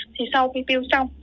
thì sau khi piu xong